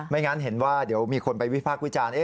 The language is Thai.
งั้นเห็นว่าเดี๋ยวมีคนไปวิพากษ์วิจารณ์